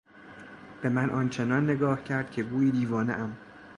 به من آنچنان نگاه کرد که گویی دیوانهام.